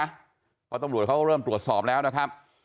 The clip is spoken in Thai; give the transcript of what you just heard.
เนี่ยก็ต้องรวมเขาเริ่มตรวจสอบแล้วนะครับ